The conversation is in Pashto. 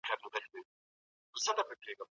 مسیر به تر ابده دوام ولري، لکه څنګه چي حضرت